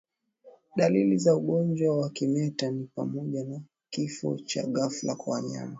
Dalili za ugonjwa wa kimeta ni pamoja na kifo cha ghafla kwa wanyama